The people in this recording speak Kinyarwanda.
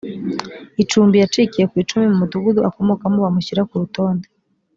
icumbi yacikiye ku icumu mu mudugudu akomokamo bamushyira ku rutonde